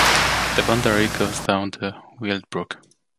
The boundary goes down the Weald Brook.